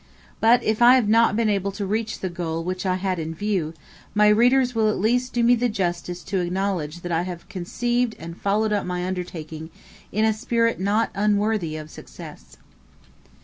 But, if I have not been able to reach the goal which I had in view, my readers will at least do me the justice to acknowledge that I have conceived and followed up my undertaking in a spirit not unworthy of success.